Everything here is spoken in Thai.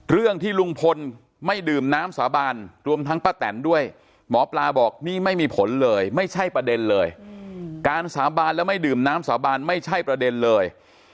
เรื่องที่ลุงพลไม่ดื่มน้ำสาบานรวมทั้งป้าแตนด้วยหมอปลาบอกนี่ไม่มีผลเลยไม่ใช่ประเด็นเลยการสาบานแล้วไม่ดื่มน้ำสาบานไม่ใช่ประเด็นเลย